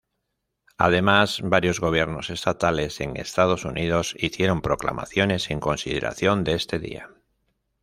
Además, varios gobiernos estatales en Estados Unidos hicieron proclamaciones en consideración de este día.